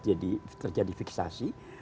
jadi terjadi fiksasi